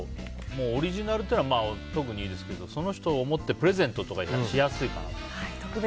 オリジナルっていうのは特にですけどその人を思ってプレゼントとかしやすいかなと。